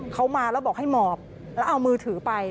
เขามาแล้วบอกให้หมอบแล้วเอามือถือไป